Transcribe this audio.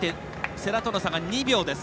世羅との差が２秒です。